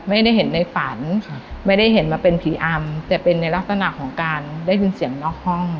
ไม่ได้เห็นในฝันครับไม่ได้เห็นมาเป็นผีอำแต่เป็นในลักษณะของการได้ยินเสียงนอกห้อง